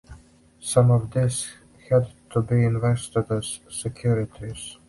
Some of this had to be invested as securities.